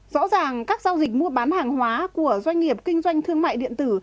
rõ ràng các giao dịch mua bán hàng hóa của doanh nghiệp kinh doanh thương mại điện tử